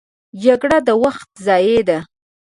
جګړه د وخت ضیاع ده